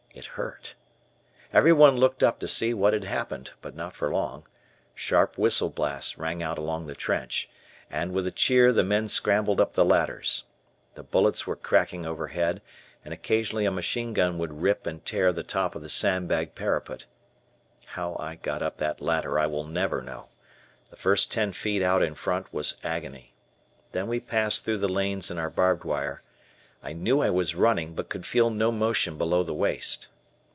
It hurt. Everyone looked up to see what had happened, but not for long. Sharp whistle blasts rang out along the trench, and with a cheer the men scrambled up the ladders. The bullets were cracking overhead, and occasionally a machine gun would rip and tear the top of the sand bag parapet. How I got up that ladder I will never know. The first ten feet out in front was agony. Then we passed through the lanes in our barbed wire. I knew I was running, but could feel no motion below the waist.